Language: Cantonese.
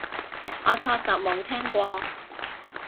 我確實冇聽過